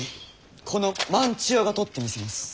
この万千代が取ってみせます。